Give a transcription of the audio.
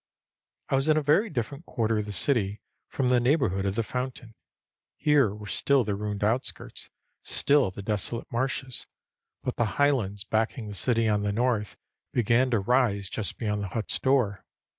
I was in a very different quarter of the city from the neighborhood of the fountain. Here were still the ruined outskirts, still the desolate marshes, but the highlands backing the city on the north began to rise just beyond the hut's door.